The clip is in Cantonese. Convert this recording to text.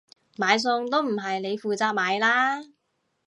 買餸都唔係你負責買啦？